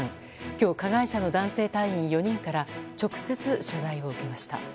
今日、加害者の男性隊員４人から直接謝罪を受けました。